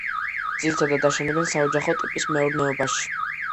ძირითადად აშენებენ საოჯახო ტიპის მეურნეობებში.